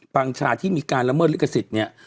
ปังชาที่มีการละเมิดลิขสิทธิ์เนี่ย